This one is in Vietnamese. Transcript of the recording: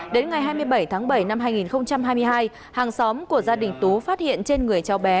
đến ngày hai mươi bảy tháng bảy năm hai nghìn hai mươi hai hàng xóm của gia đình tú phát hiện trên người cháu bé